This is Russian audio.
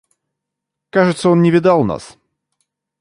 Кажется, он не видал нас.